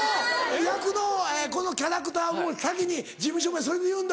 役のこのキャラクターを先に事務所名それで言うんだ。